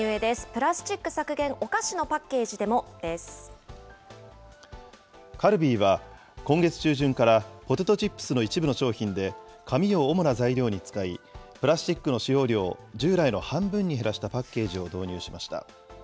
プラスチック削減、カルビーは今月中旬からポテトチップスの一部の商品で、紙を主な材料に使い、プラスチックの使用量を従来の半分に減らしたパッケージを導入しました。